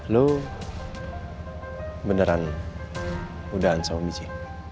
lu beneran mudahan sama biji